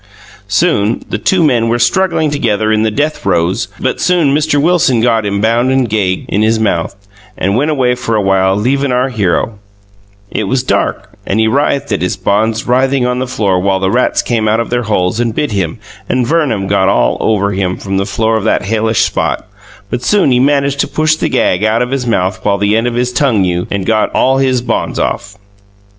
Soon the two men were struggling together in the death roes but soon Mr Wilson got him bound and gaged his mouth and went away for awhile leavin our hero, it was dark and he writhd at his bonds writhing on the floor wile the rats came out of their holes and bit him and vernim got all over him from the floor of that helish spot but soon he managed to push the gag out of his mouth with the end of his toungeu and got all his bonds off.